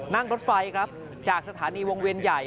นั่งรถไฟครับจากสถานีวงเวียนใหญ่